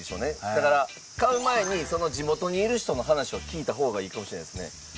だから買う前にその地元にいる人の話を聞いた方がいいかもしれないですね。